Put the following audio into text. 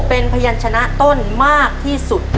เป็นพยานชนะต้นมากที่สุด